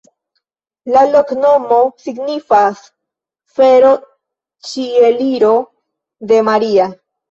La loknomo signifas: fero-Ĉieliro de Maria.